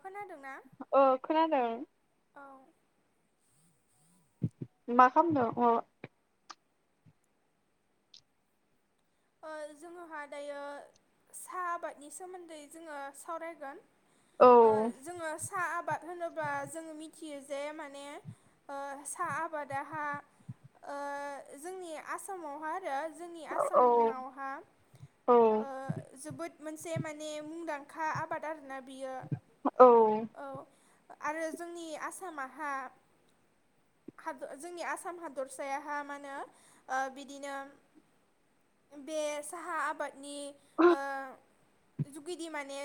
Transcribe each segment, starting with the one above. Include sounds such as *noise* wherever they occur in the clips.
खोनादोंना औ खोनादों। औ मा खालामदो अ। जोङोहा दायो साहा आबादनि सोमोन्दै जोङो सावरायगोन औ जोङो साहा आबाद होनोबा जों मिथियो जे माने ओ साहा आबादा हा जोंनि आसामावहा आरो जोंनि औ आसामावहा औ ओ जोबोद मोनसे माने मुंदांखा खा आबाद आरोना बियो औ औ। आरो जोंनि आसामाहा जोंनि आसाम हादरसायाहहा मा होनो बिदिनो बे साहा आबाद नि ओ जुगिदि माने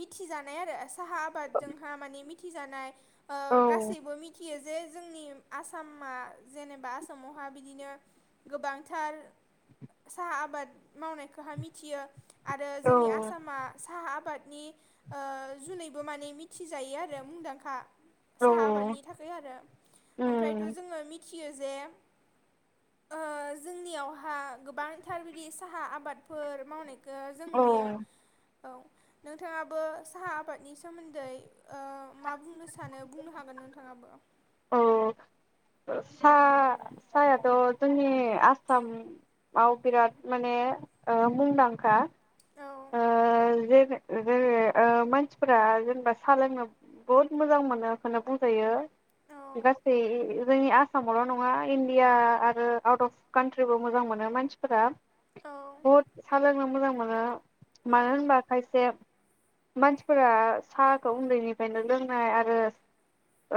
मिथिजानाय आरो। साहा आबादजोंहा माने थि जानाय ओ औ गासैबो मिथियो जे जोंनि आसामा जेनेबा आसामावहा बिदिनो गोबांथार साहा आबाद मावनायखौहा मिथियो आरो जोंनि आसामा साहा आबाद नि ओ जुनैबो माने मिथिजायो आरो मुंदांखा साहा औ आबादनि थाखाय आरो ओमफ्रायथ उम जोङो मिथियो जे ओ जोंनियावहा गोबांथार बिदि साहा आबादफोर मावनाय औ औ नोंथाङाबो साहा आबादनि सोमोन्दै मा बुंनो सानो बुंनो हागोन नोंथाङाबो। औ साहायाथ जोंनि आसामाव बिराद माने ओ मुंदांखा औ ओ जे-जै ओ मानसिफोरा जेनेबा साहा लोंनो बहुद मोजां मोनोखौनो बुंजायो। औ गासै जोंनि आसामावल नङा इण्डिया आरो आउट अफ कान्ट्रिबो मोजां मोनो मानसिफोरा। औ बुहत सा लोन मोजां मोनो। औ मानो होनबा खायसे मानसिफोरा साहाखौ उन्दैनिफ्रायनो लोंनाय आरो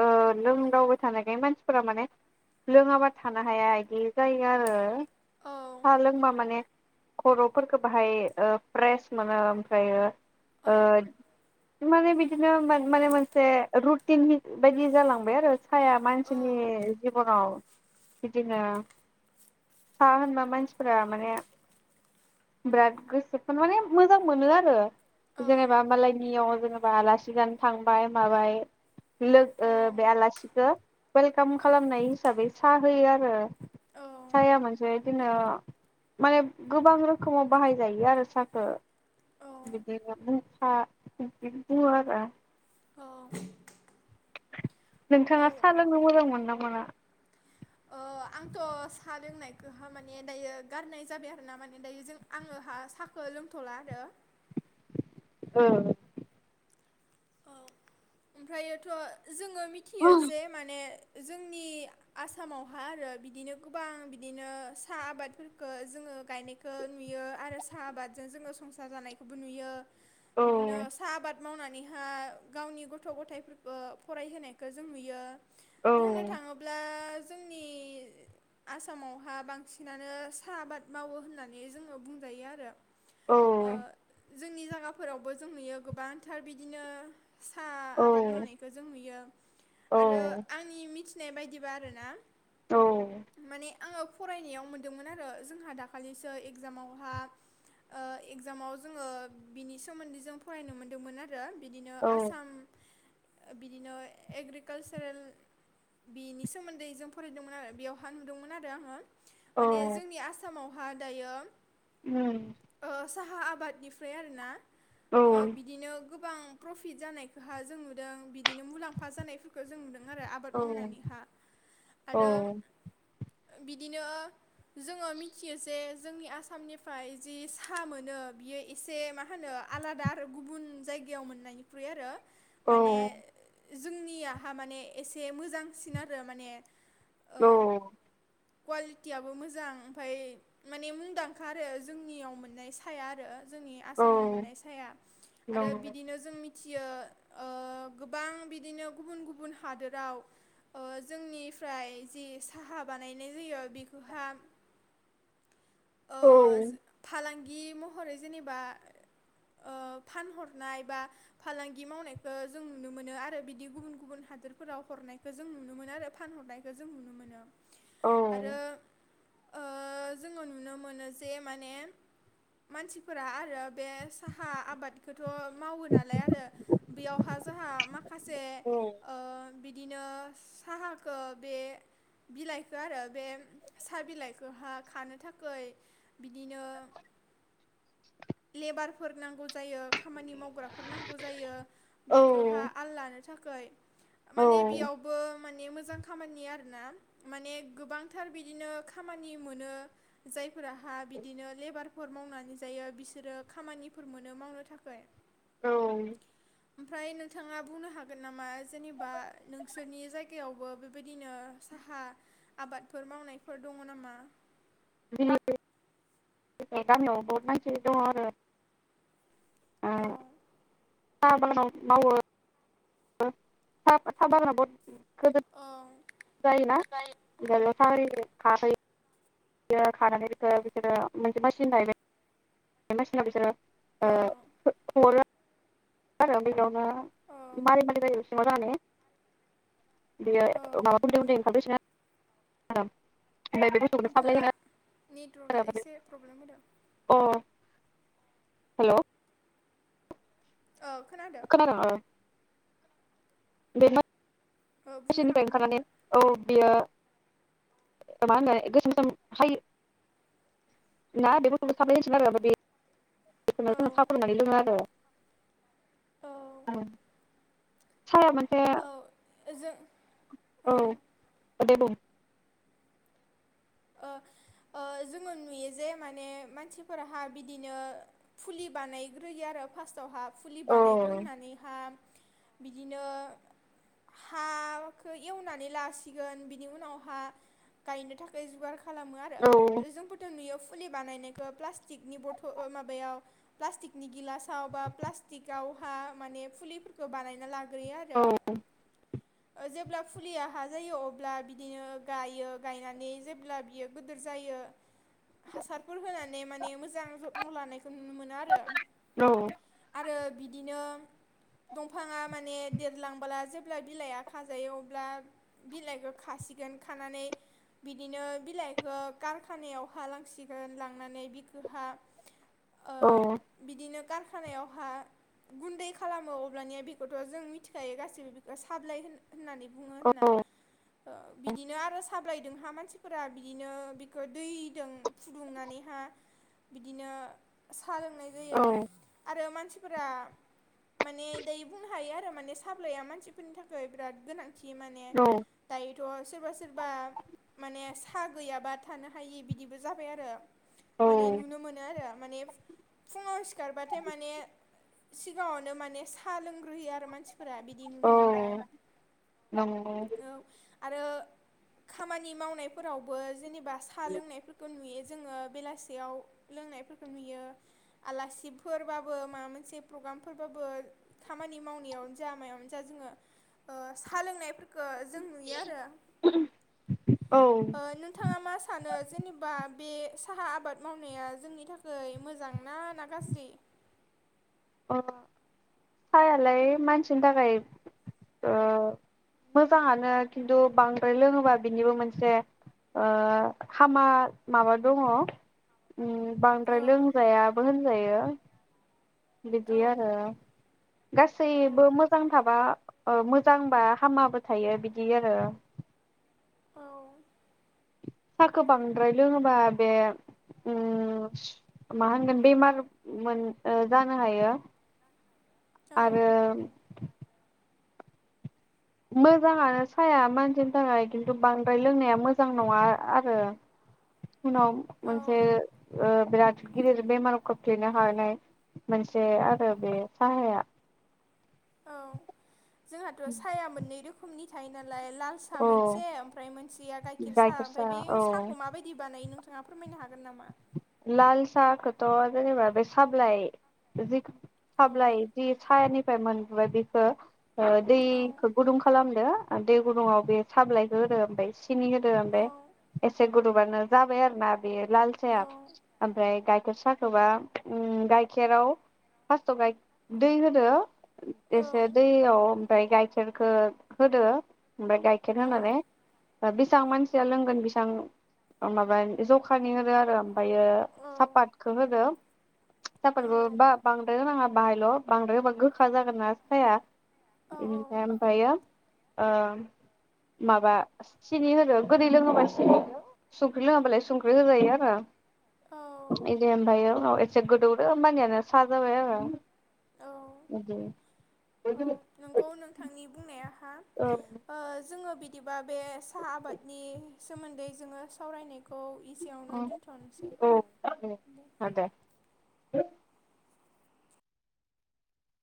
ओ लोंदावबाय थानायखाय मानसिफोरा माने लोङाबा थानो हाया बिदि जायो आरो। औ सा लोंबा माने खरफोरखौ बाहाय ओ फ्रेस मोनो ओमफ्र औ ओ माने बिदिनो माने मोनसे रुटिन बायदि जालां बाय आरो। साहाया औ मानसिनि जिबनाव बिदिनो सा होनबा मानसिफोरा माने बिराद गोसोखोन माने मोजां मोनो आरो। जेनेबा मालानियाव जेनेबा आलासि जानो थांबाय माबाय लोगो बे आलासिखौ वेलकाम खालामनाय हिसाबै साहा होयो आरो साहाया औ मोनसे बिदिनो माने गोबां रोखोमाव बाहायजायो आरो साहाखौ। बिदिनो बुं हा बिदिनो बुङो आरो। औ। नोंथाङा साहा लोंनो मोजां मोन ना मोना? ओ आंथ साहा लोंनायखौहा माने दायो गारनाय जाबाय आरो ना माने दायो जों आङोहा साहाखौ लोंथला आरो। ओ। ओमफ्रयोथ जोङो मिथियो जे माने जोंनि आसामावहाय आरो बिदिनो गोबां बिदिनो साहा आबादफोरखौ जोङो गायनायखौ नुयो आरो साहा आबादजों जोङो संसार जानायखौबो नुयो। औ बिदिनो साहा आबाद मावनानैहा गावनि गथ गथ गथायफोरखौ फराय होनायखौ जों नुयो। औ बुंनो थाङोब्ला जोंनि आसामावहा बांसिनानो साहा आबाद मावो होननानै जोङो बुंजायो आरो। औ ओ जोंनि जायगाफोरावबो जों नुयो गोबांथार बिदिनो साहा औ आबाद मावनायखौ जों नुयो। औ आरो आंनि मिथि थिनाय बायदिबा आरो ना औ माने आङो फरायनायाव मोनदोंमोन आरो जोंहा दाखालिसो इगजामावहा इगजामाव जोङो बिनि सोमोन्दै जों फरायनो मोन्दोंमोन आरो बिदिनो औ आसाम बिदिनो एग्रिकालसारेल बिनि सोमोन्दै जों फरायदोंमोन आरो बेयावहा नुदोंमोन आरो आङो माने औ जोंनि आसामाव हा दायो उम। ओ साहा आबादनिफ्राय आरो ना ओ बिदिनो गोबां प्रफिट जानाय हा जों नुदों बिदिनो मुलाम्फा जानायफोरखौ जों नुदों आरो आबाद औ मावनानै हा औ आरो बिदिनो जोङो मिथियो जे जोंनि आसामनिफ्राय जि साहा मोनो बियो एसे मा होनो आलादा आरो गुबुन जायगायाव मोननायनिख्रुइ आरो औ माने जोंनियाहा माने एसे मोजांसिन आरो माने औ। ओ कुवालिटियाबो मोजां ओमफाय माने मुंदांखा आरो जोंनियाव मोननाय साया आरो - जोंनि औ आसामाव मोननाय साया आरो नंगौ बिदिनो जों मि थियो ओ गोबां बिदिनो गुबुन गुबुन हादोराव जोंनिफ्राय जि साहा बानायनाय जायो बेखौहा औ। बि महरै जेनेबा फानहरनाय बा फालांगि मावनाय जों नुनो मोनो आरो बिदि गुबुन गुबुन हादोरफोराव हरनायखौ जों नुनो मोनो आरो फानहरनायखौ जों नुनो मोनो औ आरो ओ जोङो नुनो मोनो जे माने मानसिफोरा आरो बे साहा आबादखौथ' मावो नालाय आरो बेयावहा जोंहा माखासे औ बिदिनो साहाखौ बे बिलाइखौ आरो बे साहा बिलाइखौहा खानो थाखाय बिदिनो लेबारफोर नांगौ जायो खामानि मावग्राफोर नांगौ जायो बेखौहा औ आललानो - थाखाय माने औ बेयावबो मानि मोजां खामानि आरोना माने गोबांथार बिदिनो खामानि मोनो जायफोराह बिदिनो लेबारफोर मावनानै जायो बिसोरो खामानिफोर मोनो मावनो थाखाय औ। ओमफ्राय नोंथाङा बुंनो हागोन नामा जेनेबा नोंसोरनि जायगायावबो बेबायदिनो साहा आबादफोर मावनायफोर दङ नामा? बिनि गामियावबो बहुत मानसि दं आरो औ साह आबाद मावो थाबा लाब औ *unintelligible* खारै बि खानानै बेखो बिसोरो मोनसे मासिन जाहैबाय मासिनाव औ बिसोरो ओ *unintelligible* हरो आरो ओ औ मारै मारै *unintelligible* बियो औ माबाफोरजोंनो ओंखारबोसै *unintelligible* बुस्थुखौनो साप्लाय नोंथाङा होनो नेटवर्कआ एसे प्रब्लेम होदों। हेलौ। खोनादों ओ? बेनो औ बुंनो ससेनिफ्राय हागोन ओंखारनानै नोंथाङा औ बियो *inaudible* *inaudible* औ। औ साया मोनसे ओ जों औ। दे बुं ओ ओ जोङो नुयो जे माने मानसिफोराहा बिदिनो फुलि बानायग्रोयो आरो फार्स्टआवहा फुलि औ बानायग्रोनानैहा बिदिनो हाखो एवनानै लासिगोन बिनि उनावहा गायनो थाखाय बै बिबार खालामो आरो औ जोंफोरथ नुयो फुलि बानायनायखौ प्लास्टिनि बथल ओ माबायाव प्लास्टिकनि गिलासाव बा प्लास्टिकावहा माने फुलिफोरखौ बानायना ला ग्रोयो औ आरो ओ जेब्ला फुलियाहा जायो अब्ला बिदिनो गायो गायनानै जेब्ला बियो गोदोर जायो हासारफोर होनानै माने मोजां ज लानाय नुनो आरो। औ आरो बि बिदिनो दंफाङा माने देरलांला जेब्ला बिलायआ खाजायो अब्ला बिलायखो खासिगोन खानानै बिदिनो बिलायखो कारखानायावहा लांसिगोन लांनानै बिखोहा औ। कारखानायावहा गुन्दै खालामो अब्लानिया बेखौथ जों मिथिखायो गासैबो बेखौ साबलाय होन होन्नानै बुङो औ होन्ना। ओ बिदिनो आरो साबलाय जोंहा मानसिफोरा बिदिनो बिखौ दैजों फुदुंनानानैहा बिदिनो सा सा लोंनाय जायो आरो मान सिफोरा माने दायो बुंनो हायो आरो माने साब्लाया मानसिफोरनि थाखाय बिराद गोनां थि माने औ दायोथ' सोरबा सोरबा माने सा गैयाबा थानो हायि बिदिबो जाबाय आरो। औ माने नुनो मोनो आरो। माने फु-फुङाव सि खारबाथाय माने सिगांङावनो माने सा लोंग्रोयो आरो मानसि फोरा बिदि नुनो मोनबाय औ नंगौ औ आरो खामानि मावनायफोरावबो जेनेब बा साहा लोंनायफोरखौ नुयो जोङो बेलासियाव लोंनायफोरखौ नुयो आलासिफोरबाबो मा मोनसे प्रग्रामफोरबाबो खामानि मावनायावनो जा मायावनो जा जोंङो ओ साहा लोंनायफोर *unintelligible* जों नुयो आरो औ ओ नोंथांङा मा सानो जेनेबा बे साहा आबाद मावनाया जोंनि थाखाय मोजां ना ना गाज्रि? ओ साहायालाय मानसिनि थाखाय ओ मोजांङानो खिन्थु बांद्राय लोङोबा बिनिबो मोनसे ओ हामा माबा दङ उम्म औ बांद्राय लोंजायाबो होनजायो। बिदि औ आरो औ गासैबो मोजां थाबा ओ मोजांबा हामाबो थायो बिदि आरो औ साखो बांद्राय लोङोबा बे उम्म मा होनगोन बेमार मोन ओ जानो हायो। आरो मोजांङानो साया मानसिनि थाखाय खिन्थु बांद्राय लोंनाया मोजां नङा आ-आरो। उनाव औ मोनसे ओ बिराद गिदिर बेमाराव खोख्लैनो हानाय मोनसे आरो बे साहाया। औ जोंहाथ' साया मोननै रोखोमनि थायो नाल लाय ला सा औ मोनसे ओमफ्राय मोनसेया गाइखेर सा ओमफाय बे साहा औ साहाखौ माबा बायदि बानायो नोंथ *unintelligible* फोरमायनो हागोन नामा? लाल साखोथ' जेनेबा बे साब्लाय जि औ साब्लाय जि सायानिफ्राय मोन ओमफाय बेखो ओ औ दैखो गुदुं खालामदो दै गुदुंङाव बे साब्लायखो होदो ओमफाय सि सिनि होदो औ ओमफाय एसे गोद सोबानो जाबाय आरो मा बे लाल औ साहाया ओमफ्राय गाइखेर साखोबा गाइखेराव फार्स्टआव दै होदो औ एसे दैयाव ओमफ्राय गाइखेरखौ होदो ओमफाय गाइखेर औ होनानै बे बेसां मानसिया लोंगोन बेसां माबानि जखानि होदो आरो ओमफायो सापातखौ होदो साफाटखौ बा बांद्राय होनाङा बाहायल बांद्राय होबा गोखा जागोन ना साया इनिफ्राय ओमफायो माबा सिनि होदो गोदै लोङोबा सिनि हो संख्रि लोङाबालाय संख्रि होजायो आरो इदि ओमफाङो उनाव एसे गोदोवदो होनबानियानो‌ सा जाबाय आरो औ नोंगौ *unintelligible* नोंथांनि औ दिबा बे साहा आबादनि सोमोन्दै जोङो सावरायनाय खौ इसेयावनो दोनथनोसै औ दे हो